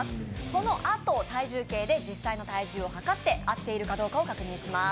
そのあと体重計で実際の体重を量って合っているかどうかを確認します。